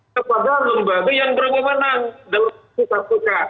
kepada lembaga yang berkembang dalam sukat suka